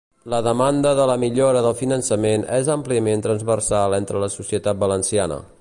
La demanda de la millora del finançament és àmpliament transversal entre la societat valenciana.